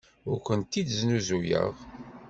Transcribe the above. Ur kent-id-snuzuyeɣ.